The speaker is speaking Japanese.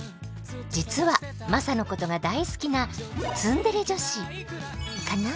実はマサのことが大好きなツンデレ女子カナ？